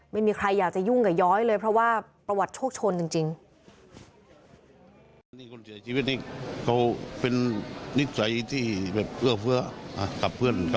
ไม่มีใครอยากจะยุ่งกับย้อยเลยเพราะว่าประวัติโชคชนจริง